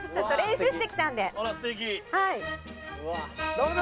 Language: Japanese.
どうぞ。